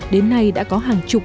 đến nay đã có hàng chục